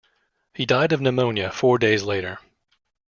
He died of pneumonia four days later.